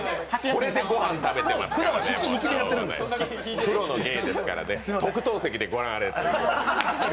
これでご飯食べてますから、プロの芸ですから特等席でご覧あれということで。